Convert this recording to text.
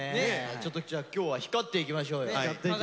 ちょっとじゃあ今日は光っていきましょうよ。